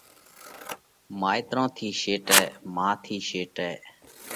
مائيترون ٿِي شِيکئه۔ مان ٿِي شِيکئه۔